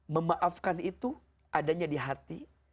memaafkan itu adanya di hati